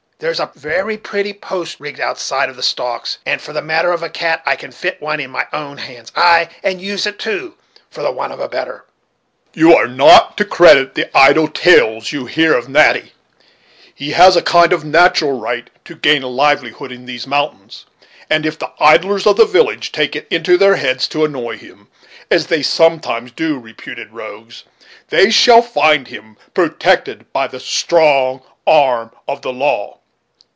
There's a very pretty post rigged alongside of the stocks; and for the matter of a cat, I can fit one with my own hands; ay! and use it too, for the want of a better." "You are not to credit the idle tales you hear of Natty; he has a kind of natural right to gain a livelihood in these mountains; and if the idlers in the village take it into their heads to annoy him, as they sometimes do reputed rogues, they shall find him protected by the strong arm of the law."